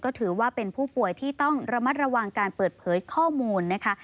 ถือว่าเป็นผู้ป่วยที่ต้องระมัดระวังการเปิดเผยข้อมูลนะคะ